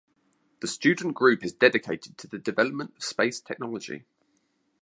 The student group is dedicated to the development of space technology.